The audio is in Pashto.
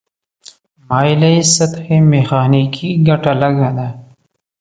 مایلې سطحې میخانیکي ګټه لږه ده.